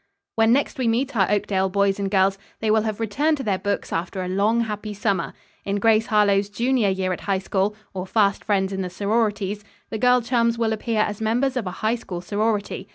When next we meet our Oakdale boys and girls, they will have returned to their books after a long happy summer. In "GRACE HARLOWE'S JUNIOR YEAR AT HIGH SCHOOL"; Or, "FAST FRIENDS IN THE SORORITIES," the girl chums will appear as members of a High School sorority.